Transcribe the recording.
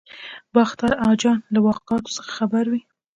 باختر اجان له واقعاتو څخه خبر وي.